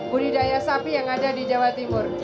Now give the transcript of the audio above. budidaya sapi yang ada di jawa timur